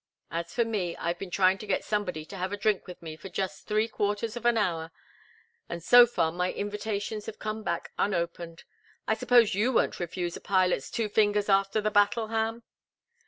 As for me, I've been trying to get somebody to have a drink with me for just three quarters of an hour, and so far my invitations have come back unopened. I suppose you won't refuse a pilot's two fingers after the battle, Ham?"